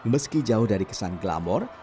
meski jauh dari kesan glamor